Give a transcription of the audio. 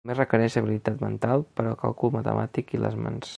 Només requereix habilitat mental per al càlcul matemàtic i les mans.